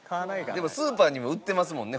でもスーパーにも売ってますもんね